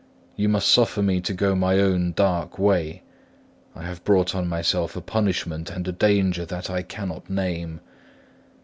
You must suffer me to go my own dark way. I have brought on myself a punishment and a danger that I cannot name.